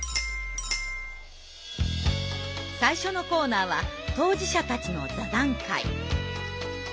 最初のコーナーは当事者たちの座談会。